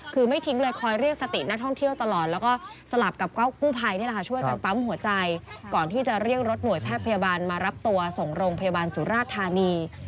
คือไม่ทิ้งเลยคอยเรียกสตินักท่องเที่ยวตลอดแล้วก็สลับกับกู้ภัยนี่แหละค่ะช่วยกันปั๊มหัวใจก่อนที่จะเรียกรถหน่วยแพทย์พยาบาลมารับตัวส่งโรงพยาบาลสุราชธานี